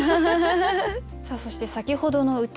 さあそして先ほどの歌